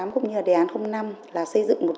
cũng như là đề án năm là xây dựng